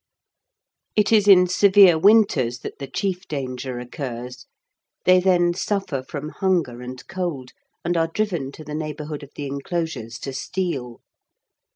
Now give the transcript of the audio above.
It is in severe winters that the chief danger occurs; they then suffer from hunger and cold, and are driven to the neighbourhood of the enclosures to steal.